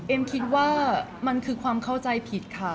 คิดว่ามันคือความเข้าใจผิดค่ะ